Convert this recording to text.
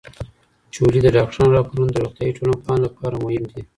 چولې داکټرانو راپورونه د روغتیائي ټولنپوهانو لپاره مهم دي؟